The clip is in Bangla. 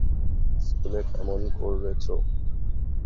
স্কুলে কেমন করেছ?